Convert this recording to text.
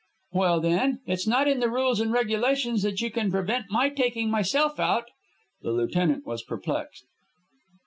"Well, then, it's not in the rules and regulations that you can prevent my taking myself out?" The lieutenant was perplexed.